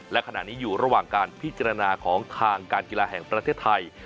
และขณะนี้อยู่ระหว่างการพิจารณาของทางการกีฬาแห่งประเทศไทย